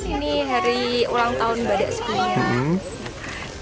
ini hari ulang tahun badak sekian